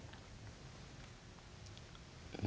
うん。